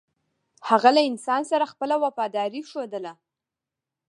هغه له انسان سره خپله وفاداري ښودله.